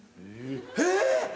えっ！